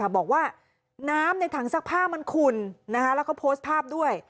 บอกว่าน้ำในถังซักผ้ามันขุ่นแล้วก็โพสต์ภาพด้วย